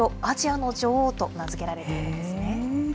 アジアの女王と名付けられているんですね。